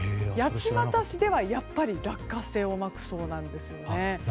八街市では、やっぱり落花生をまくそうなんですよ。